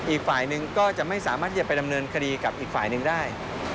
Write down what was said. อีกฝ่ายหนึ่งก็จะไม่สามารถที่จะไปดำเนินคดีกับอีกฝ่ายหนึ่งได้